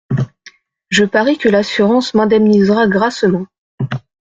Je parie que l’assurance m’indemnisera grassement.